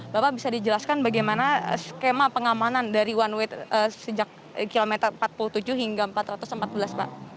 bapak bisa dijelaskan bagaimana skema pengamanan dari one way sejak kilometer empat puluh tujuh hingga empat ratus empat belas pak